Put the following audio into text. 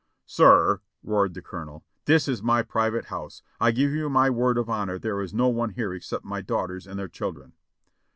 "Sir!" roared the Colonel, "this is my private house. I give you my word of honor there is no one here except my daughters and their children."